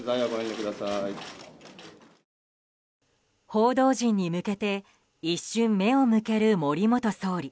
報道陣に向けて一瞬目を向ける森元総理。